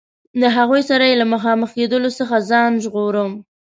له هغوی سره یې له مخامخ کېدلو څخه ځان ژغوره.